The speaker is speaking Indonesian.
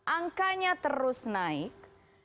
angkanya terus naik